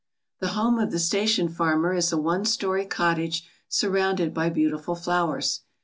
The home of the station fanner is a one story cottage surrounded by beautiful flowers.